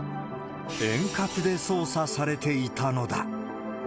遠隔で操作されていたのだ。